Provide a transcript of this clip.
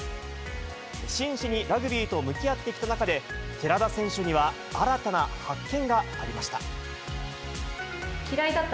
真摯にラグビーと向き合ってきた中で、寺田選手には新たな発見がありました。